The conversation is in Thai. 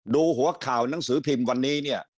ดูหัวข่าวหนังสือพิมพ์วันนี้